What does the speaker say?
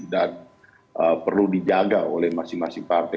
dan perlu dijaga oleh masing masing partai